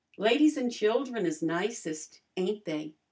"Ladies an' children is nicest, ain't they?"